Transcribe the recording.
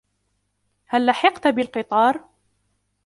هل لحقت بالقطار؟